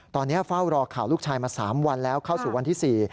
ตอนนี้เฝ้ารอข่าวลูกชายมา๓วันแล้วเข้าสู่วันที่๔